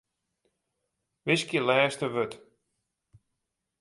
Wiskje lêste wurd.